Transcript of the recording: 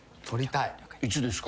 いつですか？